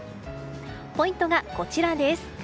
ポイントがこちらです。